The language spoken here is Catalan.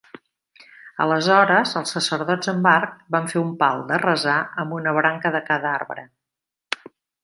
Aleshores els sacerdots amb arc van fer un pal de resar amb una branca de cada arbre.